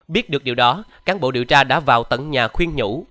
biết được điều đó cán bộ điều tra đã vào tận nhà khuyên nhũ